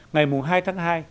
ngày hai tháng hai